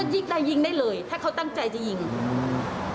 ยิงได้ยิงได้เลยถ้าเขาตั้งใจจะยิงอืม